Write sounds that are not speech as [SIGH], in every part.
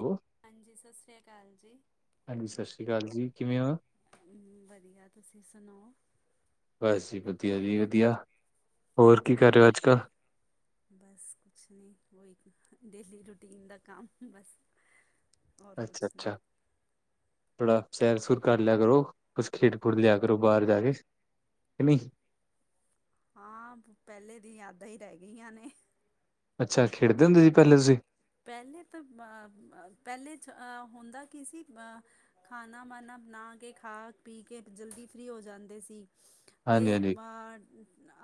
Hello. ਹਾਂਜੀ, ਸਤਿ ਸ੍ਰੀ ਅਕਾਲ ਜੀ। ਹਾਂਜੀ, ਸਤਿ ਸ੍ਰੀ ਅਕਾਲ ਜੀ। ਕਿਵੇਂ ਓ? ਵਧੀਆ, ਤੁਸੀਂ ਸੁਣਾਓ? ਬਸ ਜੀ, ਵਧੀਆ ਜੀ, ਵਧੀਆ। ਹੋਰ, ਕੀ ਕਰ ਔਰ ਰਹੇ ਹੋ ਅੱਜ-ਕੱਲ? ਬਸ ਕੁਛ ਨੀ, ਓਹੀ ਡੇਲੀ ਰੂਟੀਨ ਦਾ ਕੰਮ ਬਸ। ਔਰ ਕੁਛ ਨਹੀਂ ਅੱਛਾ-ਅੱਛਾ। ਥੋੜਾ ਸੈਰ-ਸੁਰ ਕਰਲਿਆ ਕਰੋ, ਕੁਛ ਖੇਡ-ਖੂਡ ਲਿਆ ਕਰੋ ਬਾਹਰ ਜਾਕੇ‌। ਕਿ ਨਹੀਂ। ਹਾਂ, ਪਹਿਲੇ ਦੀ ਯਾਦਾਂ ਹੀ ਰਹਿ ਗਈਆਂ ਨੇ। ਅੱਛਾ, ਖੇਡਦੇ ਹੁੰਦੇ ਸੀ ਪਹਿਲੇ ਤੁਸੀ? ਪਹਿਲੇ ਤਾਂ, ਅ, ਪਹਿਲੇ'ਚ ਅਹ ਹੁੰਦਾ ਕੀ ਸੀ ਅਹ ਖਾਨਾ-ਮਾਨਾ ਬਣਾਕੇ, ਖਾ-ਪੀਕੇ ਜਲਦੀ ਫ੍ਰੀ ਹੋ ਜਾਂਦੇ ਸੀ। ਹਾਂਜੀ ਤੇ ਹਾਂਜੀ ਬਾ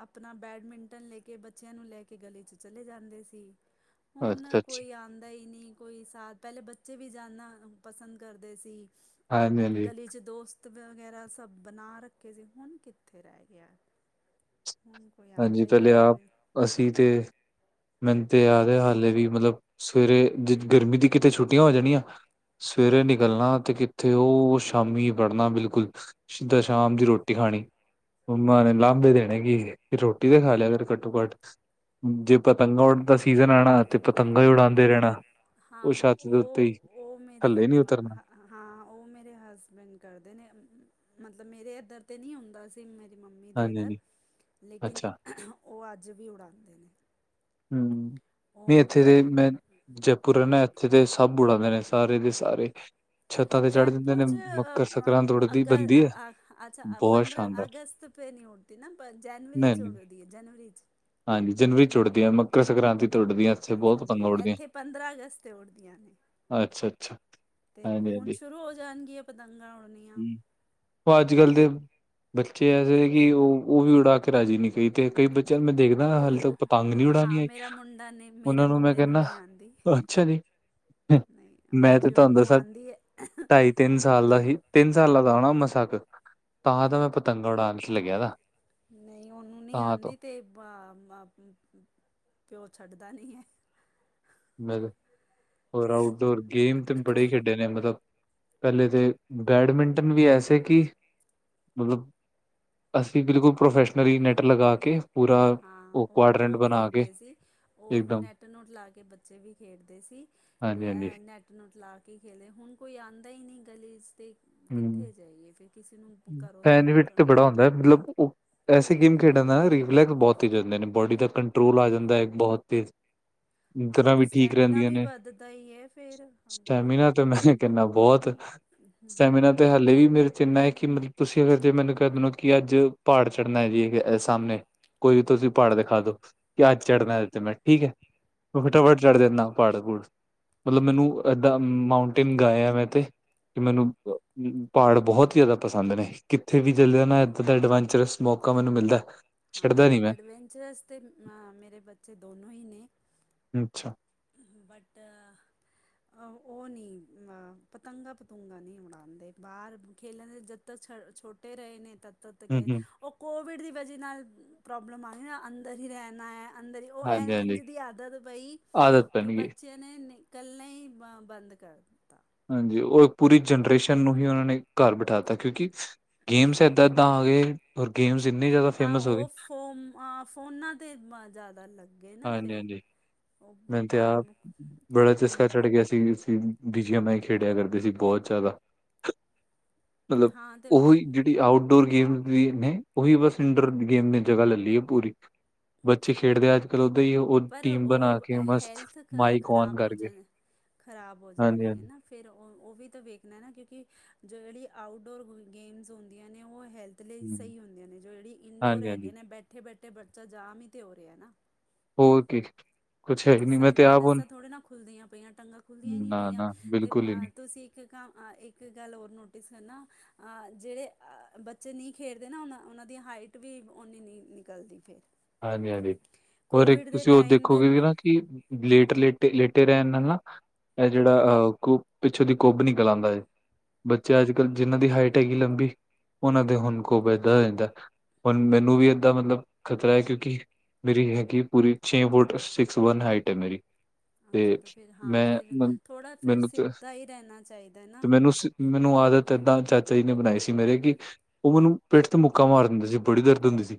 ਅਪਨਾ ਬੈਡਮੀੰਟਨ ਲੇਕੇ, ਬੱਚਿਆਂ ਨੂੰ ਲੈਕੇ, ਗਲੇ'ਚ ਚਲੇ ਜਾਂਦੇ ਸੀ, ਹੁਨ ਅੱਛਾ ਅੱਛਾ ਆਂਦਾ ਹੀ ਨਹੀਂ, ਕੋਈ ਸਾਥ ਪਹਿਲੇ ਬੱਚੇ ਵੀ ਜਾਣਨਾ ਪਸੰਦ ਕਰਦੇ ਸੀ। ਹਾਂਜੀ ਹਾਂਜੀ ਗਲੀ'ਚ ਦੋਸਤ ਵਗੈਰਾ ਸਭ ਬਣਾ ਰੱਖੇ ਸੀ, ਹੁਣ ਕਿੱਥੇ ਰਹਿ ਗਿਆ। ਹੂੰ ਹਾਂਜੀ, ਪਹਿਲੇ ਆਪ, ਅਸੀ ਤੇ ਮੈਨੂੰ ਤੇ ਯਾਦ ਹੈ ਹਾਲੇ ਵੀ ਮਤਲਬ ਸਵੇਰੇ, ਜ ਗਰਮੀ ਦੀ ਕਿਤੇ ਛੁੱਟੀਆਂ ਹੋ ਜਾਣੀਆਂ ਸਵੇਰੇ ਨਿਕਲਣਾ, ਤੇ ਕਿੱਥੇ ਉਹ ਸ਼ਾਮੀ ਵੜਨਾ ਬਿਲਕੁਲ। ਸਿੱਧਾ ਸ਼ਾਮ ਦੀ ਰੋਟੀ ਖਾਣੀ, ਮੰਮਾ ਨੇ ਲਾਂਭੇ ਦੇਣੇ, ਕੀ ਖਾ ਲਿਆ ਕਰ, ਘੱਟੋ-ਘੱਟ। ਜੇ ਪਤੰਗਾਂ ਉਡ ਦਾ ਸੀਜਨ ਆਣਾ, ਤੇ ਪਤੰਗਾਂ ਹੀ ਉਡਾਓਂਦੇ ਰਹਿਣਾ। ਹਾਂ, ਉਹ ਛੱਤ ਦੇ ਉੱਤੇ ਹੀ ਉਹ, ਉਹ, ਮੇਰੇ ਥੱਲੇ ਨੀ ਉਤਰਨਾ ਹਾਂ, ਉਹ ਮੇਰੇ ਹਸਬੈਂਡ ਕਰਦੇ ਨੇ, ਮਤਲਬ ਮੇਰੇ ਇੱਧਰ ਤੇ ਨਹੀਂ ਹੁੰਂਦਾ ਤੇ ਮੇਰੀ ਮੰਮੀ ਦੇ ਹਾਂਜੀ ਇੱਧਰ, ਹਾਂਜੀ ਲੇਕਿਨ ਅੱਛਾ ਖੋਂ ਖੋਂ, ਉਹ ਅੱਜ ਵੀ ਉਡਾਂਦੇ ਨੇ। ਹੂੰ, ਨਹੀਂ ਉਹ ਇੱਥੇ ਪਰ ਤੇ, ਮੈਂ ਜਪ ਪੁਰੇ ਨੇ, ਇੱਥੇ ਤੇ ਸਭ ਉਡਾਂਦੇ ਨੇ ਸਾਰੇ ਦੇ ਸਾਰੇ। ਛੱਤਾਂ ਤੇ ਚੜ੍ਹ ਜਾਂਦੇ ਨੇ ਜਇਪੁਰ'ਚ ਮੱਕਰ ਅ, ਸੰਕਰਾਂਤ ਉਡਦੀ ਬਣਦੀ ਹੈ ਬਹੁਤ ਅਗਸ--ਪੰਦਰਾਂ ਸ਼ਾਨਦਾਰ ਅਗਸਤ ਫਿਰ ਨੀ ਉੱਡਦੀ ਨਾ, ਨਹੀਂ ਜਨਵਰੀ'ਚ ਨਹੀਂ ਉੱਡਦੀ ਏ, ਜਨਵਰੀ'ਚ। ਹਾਂਜੀ, ਜਨਵਰੀ'ਚ ਉੜ ਏ, ਮਕਰ ਸੰਕ੍ਰਾਂਤੀ ਤੇ ੳਡਦੀਆਂ, ਇੱਥੇ ਬਹੁਤ ਅੱਛਾ ਪਤੰਗਾ ਨਹੀਂ ਉੱਡਦੀਆਂ। ਇੱਥੇ ਪੰਦਰਾਂ ਅਗਸਤ 'ਤੇ ਅੱਛਾ -ਅੱਛਾ। ਤੇ ਹਾਂਜੀ ਹੁਣ ਹਾਂਜੀ ਸ਼ੁਰੂ ਹੋ ਜਾਣਗੀਆਂ ਪਤੰਗਾਂ ਉੱਡਨੀਆਂ। ਹੂੰ ਉਹ ਅੱਜ ਕੱਲ੍ਹ ਦੇ ਬੱਚੇ ਐਸੇ ਹੈ ਕਿ ਉਹ- ਉਹ ਵੀ ਉਡਾ ਕੇ ਰਾਜੀ ਨਹੀਂ। ਕਈ ਤੇ ਕਈ ਬੱਚਿਆਂ ਨੂੰ ਮੈਂ ਦੇਖਦਾ ਹਾਲੇ ਤੱਕ ਪਤੰਗ ਨਹੀਂ ਉਡਾਣੀ ਹਾਂ ਆਈ ਮੇਰਾ ਮੁੰਡਾ ਨ, ਮੇਰੇ ਉਹਨਾਂ ਮੈਂ ਮੁੰਡੇ ਨੂੰ ਕਹਿੰਦਾ ਨਹੀਂ ਆਉਂਦੀ। ਅੱਛਾ ਜੀ ਨਹੀਂ, ੳਹਦੇ ਮੈਂ ਤੇ ਪਿਓ ਤੁਹਾਨੂੰ ਨੂੰ ਦੱਸਾਂ ਆਉਂਦੀ ਏ। ਢਾਈ ਤਿੰਨ ਸਾਲ ਦਾ ਹੀ, ਤਿੰਨ ਸਾਲਾਂ ਦਾ ਆਉਣਾ ਮਸਾ ਕੁ ਤਾਂ ਤਾਂ ਮੈਂ ਪਤੰਗ ਉਡਾਉਣ ਚ' ਲੱਗਿਆ ਵਾ। ਨਹੀਂ ਉਹਨੂੰ ਨਹੀਂ ਆਉਂਦੀ ਤੇ ਪਿਓ ਛੱਡਦਾ ਨਹੀਂ ਏ। ਮੈਂ ਹੋਰ ਆਊਟਡੋਰ ਗੇਮ ਤੇ ਬੜੇ ਖੇਡੇ ਨੇ ਮਤਲਬ ਪਹਿਲੇ ਤੇ ਬੈਡਮਿੰਟਨ ਵੀ ਐਸੇ ਕਿ, ਮਤਲਬ ਅਸੀਂ ਬਿਲਕੁਲ ਪ੍ਰੋਫੈਸ਼ਨ ਮੇਰੀ ਨੈਟ ਲਗਾ ਕੇ, ਪੂਰਾ ਹਾਂ ਉਹ ਕੁਡਰੈਂਟ ਉਹ ਬਣਾ ਕੇ ਖੇਡਦੇ ਸੀ ਉਹ ਇੱਕਦਮ ਨੈੱਟ -ਨੁੱਟ ਲਾ ਕੇ ਬੱਚੇ ਵੀ ਖੇਡਦੇ ਸੀ। ਹਾਂਜੀ ਹਾਂਜੀ ਨੈਟ ਨਟ- ਨੂੰਟ ਲਾ ਕੇ ਖੇਲੇ ਹੁਣ ਕੋਈ ਆਉਂਦਾ ਈ ਨਹੀਂ ਗਲੀ ਚ' ਤੇ ਹੂੰ ਕਿੱਥੇ ਜਾਈਏ ਫਿਰ? ਕਿਸੇ ਨੂੰ ਘਰੋਂ ਤੋਂ ਬੈਨੀਫਿਟ ਤੇ ਬੜਾ ਹੁੰਦਾ ਮਤਲਬ ਉਹ ਐਸੇ ਗੇਮ ਖੇਡਣ ਦਾ ਰਿਲੈਕਸ ਬਹੁਤ ਹੀ ਜਾਂਦੇ ਨੇ ਬੋਡੀ ਦਾ ਕੰਟਰੋਲ ਆ ਜਾਂਦਾ ਏ ਬਹੁਤ ਹੀ। [INAUDIBLE] ਹਾਂ। ਤੇ ਸਟੈਮੀਨਾ ਵੀ ਵੱਧਦਾ ਹੀ ਹੈ ਫੇਰ। ਸਟੈਮੀਨਾਰ ਤੇ ਹਾਲੇ ਵੀ ਮੇਰੇ ਚ' ਏਨਾ ਏ ਕਿ ਮਤਲਬ ਤੁਸੀਂ ਅਗਰ ਜੇ ਮੈਨੂੰ ਕਹਿ ਦੋ ਨਾ ਕਿ ਅੱਜ ਪਹਾੜ ਚੜ੍ਹਨਾ ਜੀ ਸਾਹਮਣੇ, ਕੋਈ ਵੀ ਤੁਸੀਂ ਪਹਾੜ ਦਿਖਾ ਦੋ। ਕਿ ਅੱਜ ਚੜ੍ਹਨਾ। ਇਸ ਤੇ ਮੈਂ ਠੀਕ ਏ। ਫਟਾਫਟ ਚੜ੍ਹ ਦਿੰਦਾ ਪਾੜ- ਪੂੜ। ਮਤਲਬ ਮੈਨੂੰ ਏਦਾਂ ਮਾਉਂਟੇਨ ਗਾਏ ਆ। ਮੈਂ ਤੇ ਕਿ ਮੈਨੂੰ ਪਹਾੜ ਬਹੁਤ ਹੀ ਜ਼ਿਆਦਾ ਪਸੰਦ ਨੇ। ਕਿੱਥੇ? ਤੇ ਵੀ ਚੱਲਦੇ ਨਾ ਇੱਦਾਂ ਦਾ ਐਡਵੈਂਚਰਸ ਮੌਕਾ ਮੈਨੂੰ ਮਿਲਦਾ। ਹਾਂ, ਛੱਡਦਾ ਨੀ ਮੈਂ ਐਡਵੈਂਚਰਸ ਅਤੇ ਮ ਮੇਰੇ ਬੱਚੇ ਦੋਨੋਂ ਹੀ ਨੇ। ਅੱਛਾ। ਬਟ ਉਹ ਨਹੀਂ, ਪਤੰਗਾ -ਪਤੁੰਗਾ ਨਹੀਂ ਉਡਾਉਦੇ। ਬਾਹਰ ਖੇਲਣ ਦੇ ਜ ਤਾਂ ਛ ਛੋਟੇ ਰਹੇ ਨੇ ਤ ਹੂੰ ਗਏ ਹੂੰ ਉਹ। ਕੋਵਿਡ ਦੀ ਵਜ੍ਹਾ ਨਾਲ ਪ੍ਰੋਬਲਮ ਆ ਗਈ ਨਾ ਅੰਦਰ ਹੀ ਰਹਿਣਾ ਏ। ਅੰਦਰ ਹੀ ਉਹ ਹਾਂਜੀ ਹਾਂਜੀ ਇੰਝ ਦੀ ਆਦਤ ਪਈ। ਆਦਤ ਬਣ ਗਈ ਬੱਚਿਆ ਨੇ ਇਕੱਲੇ ਹੀ ਬ ਬੰਦ ਕਰ ਦਿੱਤਾ। ਹਾਂਜੀ। ਉਹ ਪੂਰੀ ਜਨਰੇਸ਼ਨ ਨੂੰ ਹੀ ਉਹਨਾਂ ਨੇ ਘਰ ਬਿਠਾ ਤਾ। ਕਿਉਂਕਿ ਗੇਮਸ ਏਦਾਂ -ਏਦਾਂ ਆ ਗਏ ਔਰ ਗੇਮਸ ਇੰਨੇ ਜ਼ਿਆਦਾ ਫੇਮਸ ਹੋ ਗਏ। ਅ ਫੋਨਾਂ ਤੇ ਜ਼ਿਆਦਾ ਲੱਗੇ ਗਏ ਨਾ ਹਾਂਜੀ ਫਿਰ ਹਾਂਜੀ ਉਹ ਮੈਨੂੰ ਤੇ ਬਾ ਆਪ ਬੜਾ ਕੋ ਚਸਕਾ ਚੜ੍ਹ ਗਿਆ ਸੀ। ਬਜੀਆਂ ਮੈਂ ਹੀ ਖੇਡਿਆ ਕਰਦੇ ਸੀ ਬਹੁਤ ਜ਼ਿਆਦਾ। ਮਤਲਬ ਹਾਂ ਅਤੇ ਉਹ ਹੀ ਜਿਹੜੀ ਆਊਟਡੋਰ ਗੇਮ ਵੀ ਨੇ, ਉਹੀ ਬਸ ਇੰਡੋਰ ਗੇਮ ਨੇ ਜਗ੍ਹਾ ਲੈ ਲਈ ਹੈ ਪੂਰੀ। ਬੱਚੇ ਖੇਡਦੇ ਆ ਅੱਜ ਕੱਲ੍ਹ ਓਦਾਂ ਹੀ ਉਹ ਪਰ ਟੀਮ ਬਣਾ ਉਹ ਕੇ ਮਸਤ ਹੈਲਥ ਤਾ ਮਾਈਕ ਔਨ ਖ਼ਰਾਬ ਹੋ ਕਰਕੇ ਜਾਣ ਖਰਾਬ ਹੋ ਜਾ ਹਾਂਜੀ ਰਹੀ ਹੈ ਹਾਂਜੀ ਨਾ। ਫਿਰ ਉਹ ਉਹ ਵੀ ਤਾਂ ਵੇਖਣਾ ਨਾ। ਕਿਉਂਕਿ ਜਿਹੜੀ ਆਊਟਡੋਰ ਗੇਮਸ ਹੁੰਦੀਆਂ ਨੇ ਉਹ ਹੈਲਥ ਤ ਲਈ ਹਮ ਸਹੀ ਹੁੰਦੀਆਂ ਨੇ ਜੋ ਜਿਹੜੀ ਇਨਡੋਰ ਹਾਂਜੀ ਹਾਂਜੀ ਹੈਗੇ ਨੇ ਬੈਠੇ-ਬੈਠੇ ਬੱਚਾ ਜਾਮ ਹੀ ਤੇ ਹੋ ਰਿਹਾ ਨਾ। ਹੋਰ ਕੀ ਕੁਛ ਹੈ ਹੀ ਨਹੀਂ ਮੈਂ ਤੇ ਆਪ ਹੁਣ ਨੱਸਾਂ-ਨੱਸਾਂ ਥੋੜ੍ਹੇ ਨਾ ਖੁੱਲਦੀਆਂ ਪਈਆਂ ਟੰਗਾਂ ਖੁੱਲਦੀਆਂ ਹੀ ਨਹੀਂ ਨਾ ਪਈਆਂ ਨਾ ਤੇ ਬਿਲਕੁਲ ਹੀ ਨਹੀਂ ਤੁਸੀਂ ਇੱਕ ਕੰਮ, ਇੱਕ ਗੱਲ ਹੋਰ ਨੋਟਿਸ ਕਰਨਾ। ਅਹ ਜਿਹੜੇ ਅ ਬੱਚੇ ਨਹੀਂ ਖੇਡਦੇ ਨਾ ਉਹ ਉਹਨਾਂ ਦੀ ਹਾਈਟ ਵੀ ਓਨੀ ਨ ਨਿਕਲਦੀ ਫਿਰ। ਹਾਂਜੀ-ਹਾਂਜੀ ਹੋਰ ਇੱਕ ਕੋਵਿਡ ਦੇ ਤੁਸੀਂ ਉਹ ਟਾਈਮ ਦੇ ਦੇਖੋਗੇ ਵੀ ਨਾ ਕਿ ਲੇਟ ਲੇਟੇ-ਲੇਟੇ ਰਹਿਨ ਨਾ ਇਹ ਜਿਹੜਾ ਅਹ ਕੁ ਪਿੱਛੋਂ ਦੀ ਕੁੱਭ ਨਿਕਲ ਆਉਂਦਾ। ਬੱਚੇ ਅੱਜ ਕੱਲ੍ਹ ਜਿਨ੍ਹਾਂ ਦੀ ਹਾਈਟ ਹੈਗੀ ਲੰਬੀ ਓਨਾਂ ਦੇ ਹੁਨ ਕੁੱਬ [UNINTELLIGIBLE] ਹੋ ਜਾਂਦੈ ਹੁਣ ਮੈਨੂੰ ਵੀ ਏਦਾਂ ਮਤਲਬ ਹੈ ਕਿਉਂਕਿ ਮੇਰੀ ਹੈਗੀ ਪੂਰੀ ਛੇ ਫੁੱਟ ਸਿਕਸ ਵਨ ਹਾਈਟ ਹੈ ਮੇਰੀ ਤੇ ਅੱਛਾ ਤਾਂ ਫਿਰ ਹਾਂ ਮੈਂ ਫਿਰ ਮਨ ਥੋੜ੍ਹਾ ਫਿਰ ਮੈਨੂੰ ਤੇ ਸਿੱਧਾ ਈ ਰਹਿਣਾ ਚਾਹੀਦਾ ਹੈਨਾ ਤੇ ਮੈਨੂੰ ਸ ਮੈਨੂੰ ਆਦਤ ਏਦਾਂ ਚਾਚਾ ਜੀ ਨੇ ਬਣਾਈ ਸੀ ਮੇਰੇ ਕਿ, ਉਹ ਮੈਨੂੰ ਪਿੱਠ ਤੇ ਮੁੱਕਾਂ ਮਾਰ ਦਿੰਦੇ ਸੀ ਬੜੀ ਦਰਦ ਹੁੰਦੀ ਸੀ।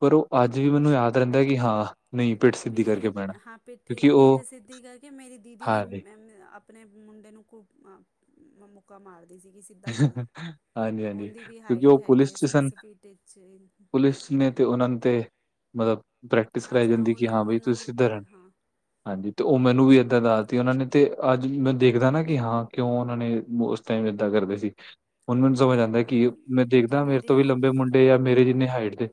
ਪਰ ਉਹ ਅੱਜ ਵੀ ਮੈਨੂੰ ਯਾਦ ਰਹਿੰਦਾ ਕਿ ਹਾਂ ਨਹੀਂ ਪਿੱਠ ਸਿੱਧੀ ਮੇਰੀ ਕਰਕੇ ਪੈਣਾ ਹਾਂ ਕਿਉਂਕਿ ਉਹ ਪਿੱਠੇ-ਪਿੱਠੇ ਸਿੱਧੀ ਕਰਕੇ ਮੇਰੀ ਦੀਦੀ ਵੀ ਹਾਂਜੀ। ਆਪਣੇ ਮੁੰਡੇ ਨੂੰ ਕੁਟਆਂ ਮੁੱਕਾ ਮਾਰਦੀ ਸੀਗੀ ਸਿੱਧਾ ਚੱਲ ਹਾਂਜੀ-ਹਾਂਜੀ ਉਹਦੀ ਵੀ ਕਿਉਂਕਿ ਹਾਈਟ ਉਹ ਹੈਗੀ ਪੁਲਿਸ ਹੈ 'ਚ ਸਨ six feet eight inch police ਨੇ ਤੇ ਉਨਹਾਂ ਤੇ ਮਤਲਬ ਪ੍ਰੈਕਟਿਸ ਕਰਾਈ ਅੱਛਾ ਜਾਂਦੀ ਕਿ ਉਹਨਾਂ ਹਾਂ ਬਾਈ ਉਹਨਾਂ ਤੁਸੀਂ ਨੂੰ ਤਾਂ ਸਿੱਧਰ ਰ ਹਾਂ ਹਾਂਜੀ ਤੇ ਉਹ ਮੈਨੂੰ ਵੀ ਇਏਦਾਂ ਦਾੱਸ ਉਹਨਾਂ ਨੇ ਤੇ ਅੱਜ ਮੈਂ ਦੇਖਦਾ ਨਾ ਕਿ ਹਾਂ ਕਿਉਂ ਉਹਨਾਂ ਨੇ ਉਸ ਟਾਈਮ ਏਦਾਂ ਕਰਦੇ ਸੀ ਹੁਣ ਮੈਨੂੰ ਸਮਝ ਆਉਂਦਾ ਹਾਂ ਕਿ ਮੈਂ ਦੇਖਦਾ ਜਿਨ੍ਹਾਂ ਮੇਰੇ ਦੀ ਤੋਂ ਵੀ ਹਾਂ ਲੰਬੇ ਮੁੰਡੇ ਜਾਂ ਮੇਰੇ ਜਿੰਨੇ ਹਾਈਟ ਦੇ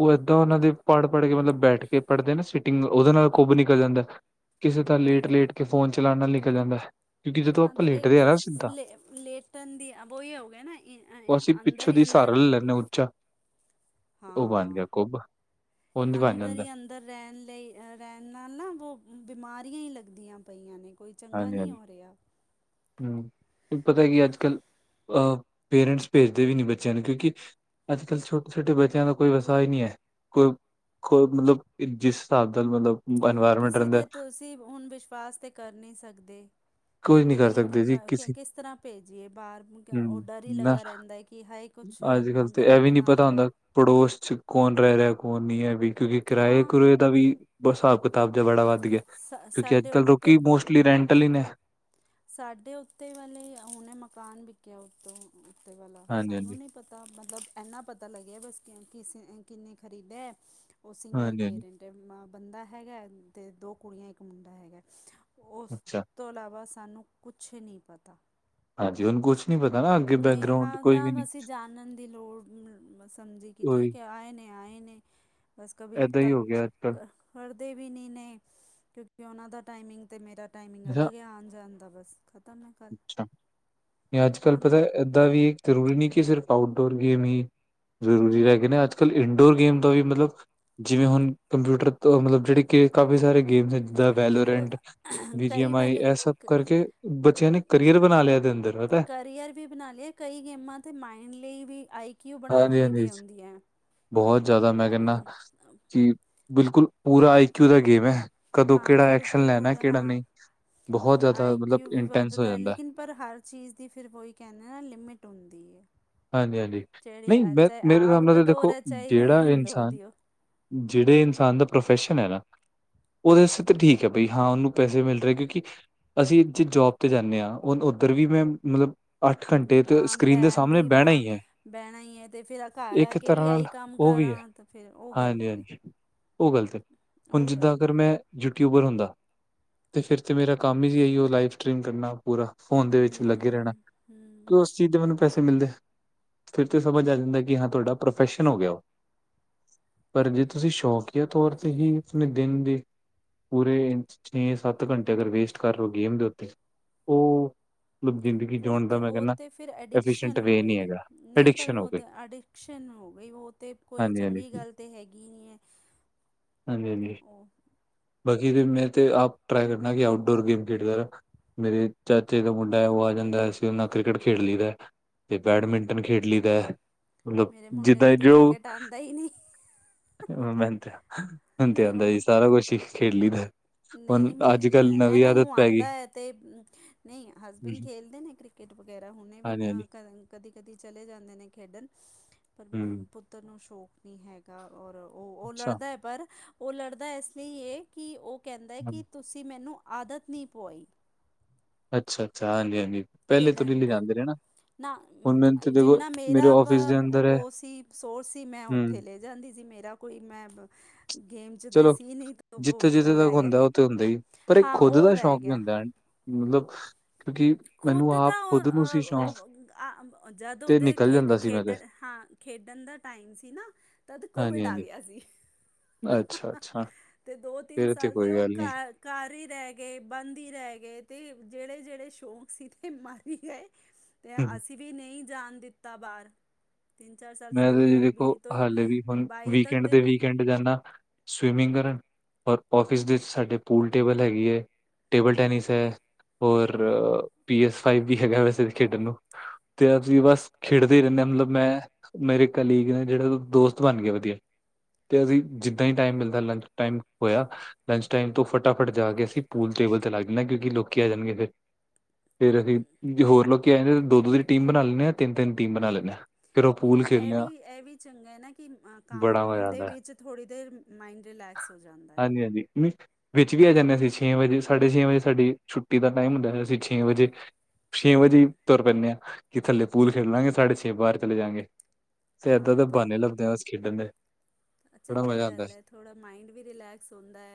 ਉਹ ਏਦਾਂ ਉਹਨਾਂ ਦੇ ਪੜ੍ਹ-ਪੜ ਕੇ ਮਤਲਬ ਬੈਠ ਕੇ ਪੜ੍ਹਦੇ ਨਾ ਸੀਟਿੰਗ ਉਹਦੇ ਨਾਲ ਕੁੱਭ ਨਿਕਲ ਜਾਂਦਾ ਕਿਸੇ ਤਰ੍ਹਾਂ ਲੇਟ-ਲੇਟ ਕੇ ਫੋਨ ਚਲਾਉਣ ਨਾਲ ਨਿਕਲ ਜਾਂਦਾ ਕਿਉਂਕਿ ਜਦੋਂ ਹਾਂ ਤੇ ਆਪਾਂ ਇੱਕ ਲੇਟਦੇ ਆ ਨਾ ਤਾਂ ਸਿੱਧਾ ਲੇ ਲੇਟਨ ਦੀ ਵਹੀ ਹੋ ਗਿਆ ਨਾ ਅ ਅੰਦਰ ਹੀ ਅੰਦਰ ਏਨਾ ਉੱਚਾ ਉਹ ਬਣ ਹਾਂ ਗਿਆ ਕੁੱਬ। ਉਂਝ ਬਣ ਅੰਦਰ ਜਾਂਦਾ ਹੀ ਅੰਦਰ ਅ ਰਹਿਣ ਲਈ ਰਹਿਣ ਨਾਲ ਨਾ ਬ ਬਿਮਾਰੀਆਂ ਹੀ ਲੱਗਦੀਆਂ ਪਈਆਂ ਨੇ ਕੋਈ ਚੰਗਾ ਨਹੀਂ ਹਾਂਜੀ-ਹਾਂਜੀ ਹੋ ਰਿਹਾ ਹੂੰ ਪਤਾ ਕੀ ਅੱਜ ਕੱਲ ਅਹ ਪੇਰੈਂਟਸ ਭੇਜਦੇ ਵੀ ਨੀ ਬੱਚਿਆਂ ਨੂੰ ਕਿਉਂਕਿ ਅੱਜ ਕੱਲ੍ਹ ਛੋਟੇ-ਛੋਟੇ ਬੱਚਿਆਂ ਦਾ ਕੋਈ ਵਸਾ ਈ ਨਹੀਂ ਏ ਕੋਈ ਕੋ ਮਤਲਬ ਜਿਸ ਹਿਸਾਬ ਨਾਲ ਮਤਲਬ ਇਨਵਾਇਰਮੈਂਟ ਕਿਸੇ ਰਹਿੰਦਾ ਦੇ ਤੁਸੀਂ ਹੁਣ ਵਿਸ਼ਵਾਸ ਤਾਂ ਕਰ ਨਹੀਂ ਸਕਦੇ ਕੁਝ ਨੀ ਤੇ ਕਰ ਕਿ ਸਕਦੇ ਜੀ ਕਰਾ ਕੇ ਕਿਸੇ ਕਿਸ ਤਰ੍ਹਾਂ ਭੇਜੀਏ ਬਾਹਰ ਉਹ ਡਰ ਹੀ ਲੱਗਾ ਰਹਿੰਦਾ ਹੈ ਕਿ ਹਾਏ ਕੋਈ ਅੱਜ ਕੱਲ ਤੇ ਇਹ ਵੀ ਨੀ ਪਤਾ ਹੁੰਦਾ ਪੜੋਸ ਚ ਕੌਣ ਰਹਿ ਰਿਹਾ ਕੌਣ ਨਹੀਂ ਹੈ ਵੀ ਕਿਉਂਕਿ ਕਿਰਾਏ ਹਾਂ ਕਰੁਏ ਦਾ ਵੀ ਹਿਸਾਬ ਕਿਤਾਬ ਜ ਬੜਾ ਵੱਧ ਗਿਆ ਸਾ ਕਿਉਂਕਿ ਅੱਜ ਸਾਡੇ ਕੱਲ ਉੱਤੇ ਲੋਕੀ ਮੋਸਟਲੀ ਰੈਂਟਲ ਹੀ ਨੇ ਸਾਡੇ ਉੱਤੇ ਵਾਲੇ ਹੁਣੇ ਮਕਾਨ ਵਿਕਿਆ ਉੱਤੋਂ ਉੱਤੇ ਵਾਲਾ ਸਾਨੂੰ ਹਾਂਜੀ-ਹਾਂਜੀ, ਨੀ ਪਤਾ ਮਤਲ ਇੰਨਾ ਪਤਾ ਲੱਗਿਆ ਕਿਸੀ ਨੇ ਕਿੰਨੇ ਖਰੀਦਿਆ ਉਹ ਸਿੰਗਲ ਹਾਂਜੀ-ਹਾਂਜੀ ਪੇਰੈਂਟ ਬੰਦਾ ਹੈਗਾ ਅਤੇ ਦੋ ਕੁੜੀਆਂ ਇੱਕ ਮੁੰਡਾ ਹੈਗਾ ਉਸ ਅੱਛਾ ਤੋਂ ਇਲਾਵਾ ਸਾਨੂੰ ਕੁਛ ਨਹੀਂ ਪਤਾ ਹਾਂਜੀ ਹੁਣ ਕੁਛ ਨਹੀਂ ਪਤਾ ਨਾ ਅੱਗੇ ਨਹੀਂ ਬੈਕਗਰਾਉਂਡ ਹਾਂ ਕੋਈ ਵੀ ਨੀ ਤਾਂ ਅਸੀਂ ਜਾਣਨ ਦੀ ਲੋੜ ਸਮਝੀ ਕਿ ਉਹੀ ਠੀਕ ਹੈ ਆਏ ਨੇ ਆਏ ਨੇ ਬਸ ਕਭੀ ਏਦਾਂ ਹੀ ਟੱਕ ਹੋ ਗਿਆ ਅੱਜ ਕੱਲ ਟਕ ਕਰਦੇ ਵੀ ਨਹੀਂ ਨੇ ਕਿਉਂਕਿ ਉਹਨਾਂ ਦਾ ਟਾਈਮਿੰਗ ਅਤੇ ਮੇਰਾ ਟਾਈਮਿੰਗ ਅੱਛਾ ਅਲੱਗ ਹੈ ਆਉਣ ਜਾਣ ਦਾ ਬਸ ਖਤਮ ਐ ਅੱਜ ਕੱਲ ਪਤਾ ਏਦਾਂ ਵੀ ਜ਼ਰੂਰੀ ਨਹੀਂ ਕਿ ਸਿਰਫ ਆਊਟਡੋਰ ਗੇਮ ਈ ਜ਼ਰੂਰੀ ਰਹਿ ਗਏ ਨੇ ਅੱਜ ਕੱਲ੍ਹ ਇੰਨਡੋਰ ਗੇਮ ਦਾ ਵੀ ਮਤਲਬ ਜਿਵੇਂ ਹੁਣ ਕੰਪਿਊਟਰ ਮਤਲਬ ਜਿਹੜੇ ਕਾਫੀ ਸਾਰੇ ਗੇਮਸ ਜਿ ਤੇ ਵੈਲਰੈਂਟ ਬਹੁਤ ਵੀ ਜੀ ਕਈ ਐਮ ਆਈ ਵਾਲੇ ਇਹ ਸਭ ਕਰਕੇ ਬੱਚਿਆਂ ਨੇ ਕਰੀਅਰ ਬਣਾ ਲਿਆ ਇਹਦੇ ਅੰਦਰ ਪਤਾ ਕਰੀਅਰ ਵੀ ਬਣਾ ਲਿਆ ਕਈ ਗੇਮਾਂ ਤੇ ਮਾਇੰਡ ਲਈ ਵੀ ਆਈ ਕਿਉ ਬਣਾਉਣ ਹਾਂਜੀ ਲਈ ਵੀ ਹਾਂਜੀ ਆਉਂਦੀ ਐ ਬਹੁਤ ਜ਼ਿਆਦਾ ਮੈਂ ਕਹਿੰਦਾ ਕਿ ਬਿਲਕੁਲ ਪੂਰਾ ਆਈਕਯਊ ਦਾ ਗੇਮ ਐ ਕਦੋਂ ਹਾਂ ਕਿਹੜਾ ਤੇ ਐਕਸ਼ਨ ਲੈਣਾ ਪੂਰਾ ਕਿਹੜਾ ਹਾਂ ਨਹੀਂ ਬਹੁਤ ਜ਼ਿਆਦਾ ਆਈ ਮਤਲਬ ਕਿਊ ਵੀ ਇੰਟੈਂਸ ਹੋ ਵੱਧਦਾ ਜਾਂਦਾ ਲੇਕਿਨ ਪਰ ਹਰ ਚੀਜ਼ ਦੀ ਫਿਰ ਕੋਹੀ ਕਹਿੰਦੇ ਨਾ ਲਿਮਿਟ ਹੁੰਦੀ ਏ ਹਾਂਜੀ ਹਾਂਜੀ ਨਹੀਂ ਮੈਂ ਮੇਰੇ ਹਿਸਾਬ ਨਾਲ ਤਾਂ ਆਊਟਡੋਰ ਦੇਖੋ ਹੈ ਚਾਹੇ ਜਿਹੜਾ ਇਨਡੋਰ ਇਨਸਾਨ ਦੀ ਉਹ ਜਿਹੜੇ ਇਨਸਾਨ ਦਾ ਪ੍ਰੋਫੈਸ਼ਨ ਹੈ ਨਾ ਉਹਦੇ ਸ ਤਾਂ ਠੀਕ ਹੈ ਬਈ ਹਾਂ ਉਹਨੂੰ ਪੈਸੇ ਮਿਲ ਰਹੇ ਕਿਉਂਕਿ ਅਸੀ ਜੇ ਜੋਬ ਤੇ ਜਾਂਦੇ ਹਾਂ ਉੱਧਰ ਵੀ ਮੈਂ ਮਤਲਬ ਅੱਠ ਘੰਟੇ ਤੇ ਸਕਰੀਨ ਦੇ ਸਾਹਮਣੇ ਬਹਿਣਾ ਮੈਂ ਹੀ ਹੈ। ਬਹਿਣਾ ਹੀ ਈ ਹੈ ਤੇ ਫੇਰ ਘਰ ਆ ਇੱਕ ਕੇ ਵੀ ਤਰ੍ਹਾਂ ਆਈ ਨਾਲ ਕੰਮ ਉਹ ਵੀ ਹੈ। ਕਰਾਂ ਤੇ ਫਿਰ ਉਹ ਹਾਂਜੀ, ਗਲਤ ਏ। ਹਾਂਜੀ ਉਹ ਗਲਤ ਹੈ ਹੁਣ ਜਿੱਦਾਂ ਅਗਰ ਹੈ ਮੈਂ ਯੂਟਿਊਬਰ ਹੁੰਦਾ ਅਤੇ ਫਿਰ ਤਾਂ ਮੇਰਾ ਕੰਮ ਹੀ ਜ ਆ ਲਾਈਵ ਸਟਰੀਮ ਕਰਨਾ ਪੂਰਾ ਫੋਨ ਦੇ ਵਿੱਚ ਲੱਗੇ ਰਹਿਣਾ ਹਮ ਹਮ ਕਿ ਉਸ ਚੀਜ਼ ਦੇ ਮੈਨੂੰ ਪੈਸੇ ਮਿਲਦੇ ਫਿਰ ਤੇ ਸਮਝ ਆ ਜਾਂਦਾ ਕਿ ਹਾਂ ਤੁਹਾਡਾ ਪ੍ਰੋਫੈਸ਼ਨ ਹੋ ਗਿਆ ਉਹ ਪਰ ਜੇ ਤੁਸੀ ਸ਼ੌਕੀਆ ਤੌਰ ਤੇ ਹੀ ਆਪਣੇ ਦਿਨ ਦੀ ਪੂਰੇ ਛੇ ਸੱਤ ਘੰਟੇ ਅਗਰ ਵੇਸਟ ਕਰ ਲੋ ਗੇਮ ਦੇ ਉੱਤੇ ਉਹ ਮਤਲਬ ਜ਼ਿੰਦਗੀ ਉਹ ਜਿਉਣ ਤਾਂ ਦਾ ਮੈਂ ਉਹ ਕਹਿੰਦਾ ਤਾਂ ਫਿਰ ਅਡਿਕਸ਼ਨ ਐਫੀਸ਼ੀਐਂਟ ਹੋ ਵੇ ਨਹੀਂ ਗਈ ਹੈਗਾ ਨਹੀ ਪਰ ਐਡਿਕਸ਼ਨ ਹੋ ਉਹ ਗਈ ਤਾਂ ਅਡਿਕਸ਼ਨ ਹੋ ਗਈ ਉਹ ਤਾਂ ਕੋਈ ਹਾਂਜੀ ਹਾਂਜੀ ਚੰਗੀ ਗੱਲ ਤਾਂ ਹੈਗੀ ਨਹੀ ਹੈ। [INAUDIBLE] ਹਾਂਜੀ- ਹਾਂਜੀ ਉਹ ਬਾਕੀ ਮੈਂ ਤੇ ਆਪ ਟਰਾਈ ਕਰਨਾ ਕਿ ਆਊਟਡੋਰ ਗੇਮ ਖੇਡਦਾ ਰਹਿਣਾ। ਮੇਰੇ ਚਾਚੇ ਦਾ ਮੁੰਡਾ ਹੈ ਉਹ ਆ ਜਾਂਦਾ ਅਸੀ ਉਹਦੇ ਨਾਲ ਕ੍ਰਿਕਟ ਖੇਡ ਲਈ ਦਾ। ਤੇ ਬੈਡਮਿੰਟਨ ਖੇਡ ਲੀ ਦਾ ਮਤਲਬ ਮੇਰੇ ਮੁੰਡੇ ਨੂੰ ਤਾਂ ਕ੍ਰਿਕਟ ਆਉਂਦਾ ਹੀ ਨਹੀਂ। [INAUDIBLE] ਮ ਮੈਨੂੰ [INAUDIBLE] ਤੇ ਨਹੀਂ ਆਉਂਦਾ ਜੀ ਉਹਨੂੰ ਸਾਰਾ ਕੁਛ ਖੇਲ ਲੀਦਾ। ਨਹੀਂ ਮੇ ਮ ਇਹਨਾਂ ਨੂੰ ਆਂਦਾ ਹੈ ਅਤੇ ਨਹੀ ਹਸਬੈਂਡ ਹਾਂਜੀ ਖੇਲਦੇ ਨੇ ਕ੍ਰਿਕਟ ਕਿਟ ਵਗੈਰਾ ਹੁਣੇ ਵੀ ਹਾਂਜੀ ਕਾਂ ਕਰਨ ਕਦੀ- ਕਦੀ ਚਲੇ ਜਾਂਦੇ ਨੇ ਖੇਡਣ ਪਰ ਹੂੰ, ਪੁੱਤਰ ਨੂੰ ਸ਼ੌਕ ਨਹੀਂ ਹੈਗ ਔਰ ਉਹ ਉਹ ਅੱਛਾ, ਲੜਦਾ ਹੈ ਪਰ ਉਹ ਲੜਦਾ ਇਸ ਲਈ ਕਿ ਉਹ ਕਹਿੰਦਾ ਕਿ ਹੂੰ, ਤੁਸੀ ਮੈਨੂੰ ਆਦਤ ਨਹੀ ਪਵਾਈ। ਅੱਛਾ -ਅੱਛਾ ਹਾਂਜੀ- ਹਾਂਜੀ ਪਹਿਲੇ ਤੋਂ ਖੇਡਣ ਦੀ ਲਿਜਾਂਦੇ ਰਹਿਣਾ। ਨਾ ਜਿੰਨਾ ਮੇਰੇ ਮੇਰਾ ਆਫਿਸ ਦੇ ਅੰਦਰ ਹੈ ਉਹ ਸੀ ਸੋਰਸ ਸੀ ਮੈਂ ਉੱਥੇ ਹੂੰ, ਲੈ ਜਾਂਦੀ ਸੀ ਮੇਰਾ ਕੋਈ ਮੈਬ ਗੇਮ 'ਚ ਤੇ ਚਲੋ ਸੀ ਨਹੀ ਉਹ ਜਿੱਥੇ-ਜਿੱਥੇ ਉਹ ਤੱਕ ਰਹਿ ਗਿਆ ਹੁੰਦਾ, ਉੱਥੇ ਹੁੰਦਾ ਹੀ, ਪਰ ਇੱਕ ਹਾਂ ਖੁਦ ਉਹ ਦਾ ਰਹਿ ਸ਼ੌਕ ਵੀ ਗਿਆ। ਹੁੰਦਾ, ਹੈ, ਮਤਲਬ ਕਿਉਂਕਿ [INAUDIBLE] ਮੈਨੂੰ ਖੁਦ ਆਪ ਤਾਂ ਉਹ ਖੁਦ ਨੂੰ ਸੀ ਸ਼ੌਕ ਅਹ ਜਦ ਤੇ ਉਹਦੇ ਨਿਕਲ ਖੇਡ ਜਾਂਦਾ ਸੀ ਮੈਂ ਤੇ, ਖੇਡਣ ਹਾਂ। ਖੇਡਣ ਦਾ ਟਾਈਮ ਸੀ ਨਾ ਤਦ ਕੋਵਿਡ ਆ ਗਿਆ ਸੀ। ਅੱਛਾ -ਅੱਛਾ ਅਤੇ ਦੋ ਤਿੰਨ ਸਾਲ ਤਾਂ ਉਹ ਘ ਘਾਰ ਹੀ ਰਹਿ ਗਏ ਬੰਦ ਹੀ ਰਹਿ ਗਏ। ਅਤੇ ਜਿਹੜੇ- ਜਿਹੜੇ ਸ਼ੌਂਕ ਸੀ ਮਾਰੀ ਗਏ ਅਸੀ ਵੀ ਨਹੀਂ ਜਾਣ ਦਿੱਤਾ ਬਾਹਰ ਤਿੰਨ ਚਾਰ ਸਾਲ ਤਾਂ ਮੈਂ ਦੋ ਤੇ ਜੀ ਹਜ਼ਾਰ ਦੇਖੋ ਵੀਹ ਤੋਂ ਹਾਲੇ ਵੀ ਹੁਣ ਬਾਈ ਤੱਕ ਵੀਕਐਂਡ ਤੇ ਦੇ ਵੀਕਐਂਡ ਜਾਂਦਾ। ਸਵਿਮਿੰਗ ਕਰਨ ਔਰ ਔਫਿਸ ਦੇ ਸਾਡੇ ਪੂਲ ਟੇਬਲ ਹੈਗੀ ਹੈ। ਟੇਬਲ ਟੈਨਿਸ ਹੈ ਔਰ ਪੀ ਐਸ ਫਾਈਵ ਵੀ ਹੈਗਾ ਵੈਸੇ ਵੀ ਖੇਡਣ ਨੂੰ ਤੇ ਅਸੀ ਬਸ ਖੇਡਦੇ ਹੀ ਰਹਿੰਦੇ ਹਾਂ ਮਤਲਬ ਮੈਂ ਮੇਰੇ ਕਲੀਗ ਨੇ ਜਿਹੜਾ ਦੋਸਤ ਬਣ ਗਿਆ ਵਧੀਆ। ਤੇ ਅਸੀ ਜਿੱਦਾਂ ਹੀ ਟਾਈਮ ਮਿਲਦਾ ਲੰਚ ਟਾਈਮ ਹੋਇਆ। ਲੰਚ ਟਾਈਮ ਤੋਂ ਫਟਾਫਟ ਜਾ ਕੇ ਅਸੀ ਪੂਲ ਟੇਬਲ ਤੇ ਲਗ ਜਾਂਦੇ ਹਾਂ ਕਿਉਂਕ ਲੋਕੀ ਆ ਜਾਣਗੇ ਫਿਰ ਫੇਰ ਅਸੀ ਹੋਰ ਲੋਕੀ ਆ ਜਾਂਦੇ ਦੋ -ਦੋ ਦੀ ਟੀਮ ਬਣਾ ਲੈਂਣੇ ਹਾਂ ਤਿੰਨ -ਤਿੰਨ ਟੀਮ ਬਣਾ ਲੈਂਣੇ ਹਾਂ। ਫਿਰ ਉਹ ਇਹ ਪੂਲ -ਇਹ ਖੇਲਣੇ ਆ ਵੀ ਇਹ ਵੀ ਚੰਗਾ ਹੈ ਨਾ ਕਿ ਕੰਮ ਬੜਾ ਮਜ਼ਾ ਦੇ ਆਂਦਾ ਹੈ, ਵਿੱਚ ਥੋੜ੍ਹੀ ਦੇਰ ਮਾਇਂੰਡ ਰਿਲੈਕਸ ਹੋ ਜਾਂਦਾ। ਹੈ ਹਾਂਜੀ -ਹਾਂਜੀ [INAUDIBLE] ਵਿੱਚ ਵੀ ਆ ਜਾਂਦੇ ਹ ਅਸੀ ਛੇ ਵਜੇ ਸਾਢੇ ਛੇ ਵਜੇ ਸਾਡੀ ਛੁੱਟੀ ਦਾ ਟਾਈਮ ਹੁੰਦਾ ਅਸੀ ਛੇ ਵਜੇ ਛੇ ਵਜੇ ਤੁਰ ਪੈਂਣੇ ਆ ਕਿ ਥੱਲੇ ਪੂਲ ਖੇਡ ਲਾਂਗੇ ਸਾਢੇ ਛੇ ਵਾਰ ਚਲੇ ਜਾਗੇ। ਤੇ ਇਦਾਂ ਹਾਂ ਦੇ ਬਾਨੇ ਉਹ ਲੱਭਦੇ ਆ ਇਸ ਖੇਡਣ ਦੇ ਮਜ਼ਾ ਆਂਦਾ। ਥੋੜਾ਼ ਮਾਈਂਡ ਵੀ ਰਿਲੈਕਸ ਹੁੰਦਾ।